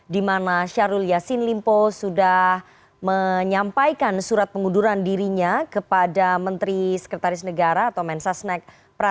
di mana syahrul yassin limpo sudah menyampaikan surat pengunduran dirinya kepada menteri sekretaris negara atau mensasnek